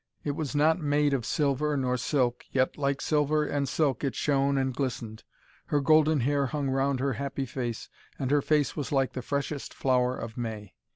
It was not made of silver nor silk, yet like silver and silk it shone and glistened. Her golden hair hung round her happy face, and her face was like the freshest flower of May.